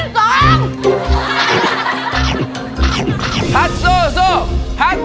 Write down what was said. ตอนที่สอง